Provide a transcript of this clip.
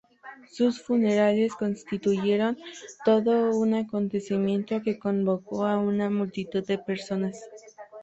Sus funerales constituyeron todo un acontecimiento que convocó a una multitud de personas.